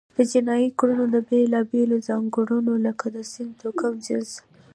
د جنایي کړنو د بیلابېلو ځانګړنو لکه د سن، توکم، جنس،